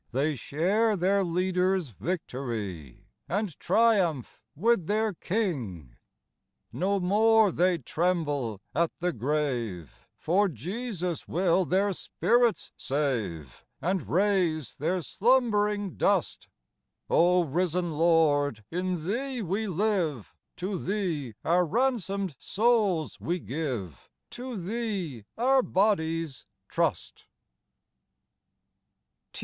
They share their Leader's victory, And triumph with their King. 1 02 No more they tremble at the grave, For Jesus will their spirits save, And raise their slumbering dust ; O risen Lord, in Thee we live : To Thee our ransomed souls we give, To Thee our bodies trust.